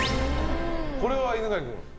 これは犬飼君。